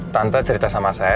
tante cerita sama saya